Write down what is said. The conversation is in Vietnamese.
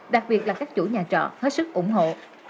đặc biệt là các chủ nhà trọ hết sức ủng hộ